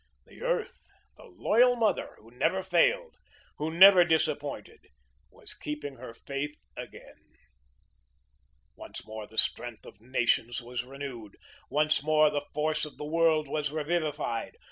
The earth, the loyal mother, who never failed, who never disappointed, was keeping her faith again. Once more the strength of nations was renewed. Once more the force of the world was revivified.